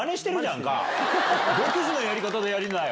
独自のやり方でやりなよ。